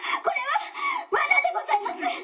これはわなでございます」。